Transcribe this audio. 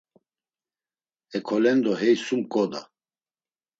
Hikolendo hey sum ǩoda.